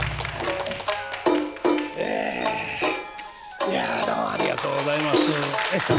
いやどうもありがとうございます。